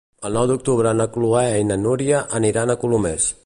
El nou d'octubre na Chloé i na Núria aniran a Colomers.